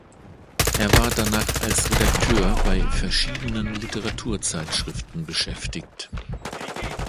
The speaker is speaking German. Er war danach als Redakteur bei verschiedenen Literaturzeitschriften beschäftigt.